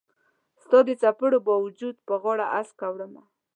ستا د څیپړو با وجود به غاړه هسکه وړمه